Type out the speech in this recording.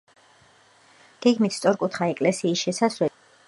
გეგმით სწორკუთხა ეკლესიის შესასვლელი დასავლეთიდან ყოფილა.